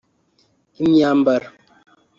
imyambaro